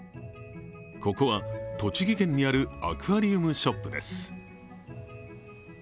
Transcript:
ここは栃木県にあるアクアリウムショップです。